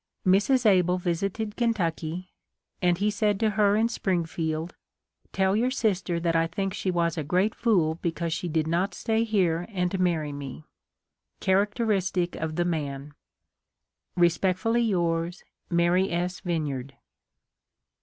Mrs. Able visited Kentucky, and he said to her in Springfield, ' Tell your sister that I think she was a great fool because she did not stay here and marry me.' Characteristic of the man !" Respectfully yours, " Mary S. Vineyard."